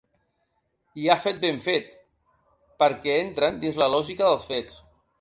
I ha fet ben fet, perquè entren dins la lògica dels fets.